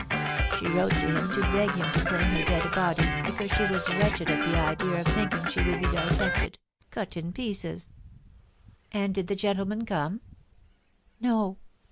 She wrote to him to beg him to claim her dead body, because she was wretched at the idea of thinking she would be dissected cut in pieces." "And did the gentleman come?" "No.